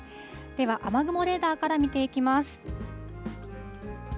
では、雨雲レーダーから見ていきます。